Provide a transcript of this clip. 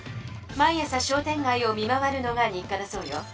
毎朝商店がいを見回るのが日かだそうよ。